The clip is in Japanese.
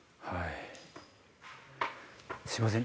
はい。